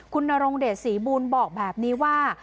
คุณนรงเดชศรีบูลบอกแบบนี้ว่า